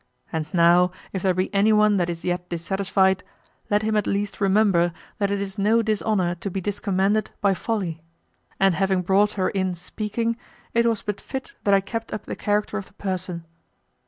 And now, if there be anyone that is yet dissatisfied, let him at least remember that it is no dishonor to be discommended by Folly; and having brought her in speaking, it was but fit that I kept up the character of the person.